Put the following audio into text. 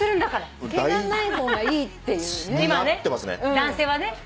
男性はね。